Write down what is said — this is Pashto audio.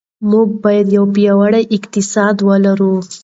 موږ به یو پیاوړی اقتصاد ولرو.